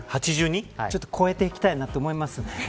ちょっと超えていきたいと思います。